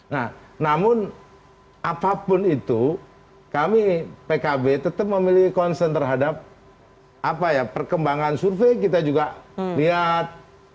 nah namun apapun itu kami pkb tetap memilih konsen terhadap apa ya perkembangan survei kita juga lihat